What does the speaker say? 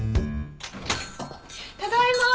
ただいまー。